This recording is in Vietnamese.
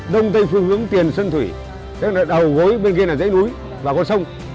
đông tây phương hướng tiền sân thủy đầu gối bên kia là dãy núi và con sông